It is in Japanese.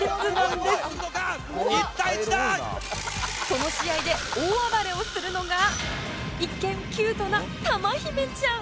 その試合で大暴れをするのが一見キュートなたま媛ちゃん